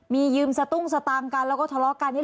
มียืมสตุ้งสตางค์กันแล้วก็ทะเลาะกัน